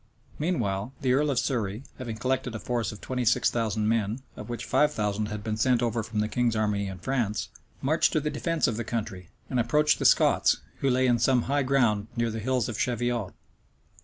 Meanwhile, the earl of Surrey, having collected a force of twenty six thousand men, of which five thousand had been sent over from the king's army in France, marched to the defence of the country, and approached the Scots, who lay on some high ground near the hills of Cheviot.